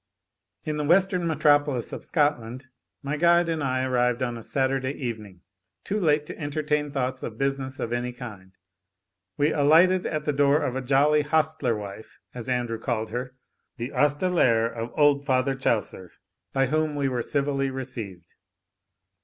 In the western metropolis of Scotland, my guide and I arrived on a Saturday evening, too late to entertain thoughts of business of any kind. We alighted at the door of a jolly hostler wife, as Andrew called her, the Ostelere of old father Chaucer, by whom we were civilly received.